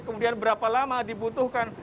kemudian berapa lama dibutuhkan